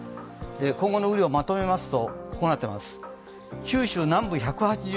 今後の雨量まとめますとこうなっています。